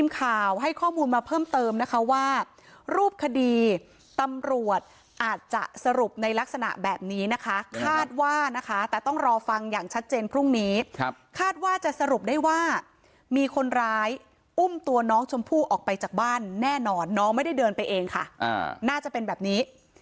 คาดว่าจะสรุปได้ว่ามีคนร้ายอุ้มตัวน้องสมภูออกไปจากบ้านแน่นอนน้องไม่ได้เดินไปเองค่ะน่าจะเป็นแบบนี้